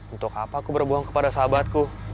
untuk apa aku berbuang kepada sahabatku